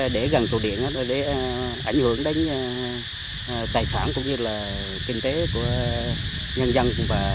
để gần tổ điện để ảnh hưởng đến tài sản cũng như kinh tế của nhân dân